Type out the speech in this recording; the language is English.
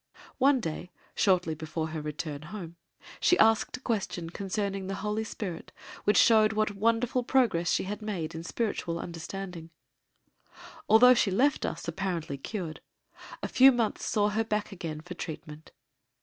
One day shortly before her return home she asked a question concerning the Holy Spirit which showed what wonderful progress she had made in spiritual understanding. Although she left us apparently cured, a few months saw her back again for treatment.